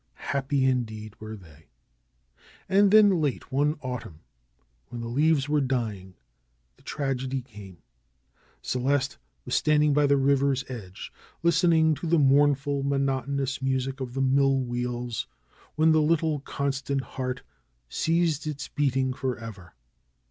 Happy indeed were they! And then late one autumn, when the leaves were dying, the tragedy came. Celeste was standing by the river's edge, listening to the mournful, monotonous music of the mill wheels, when the little constant heart ceased its beating forever.